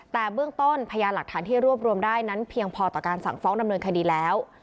แต่เบื้องต้นพยานหลักฐานที่รวบรวมได้นั้นเพียงพอต่อการสั่งฟ้องดำเนินคดีแล้ว